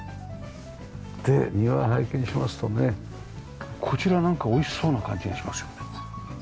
で庭を拝見しますとねこちらなんかおいしそうな感じがしますよね。